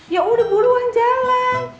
ya udah buruan jalan